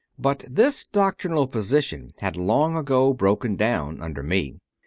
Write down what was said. But this doctrinal position had long ago broken down under me.